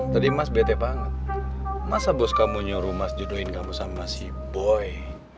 tadi mas bete banget masa bos kamu nyuruh mas jodohin kamu sama si boy